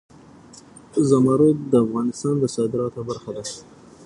زمرد د افغانستان د صادراتو برخه ده.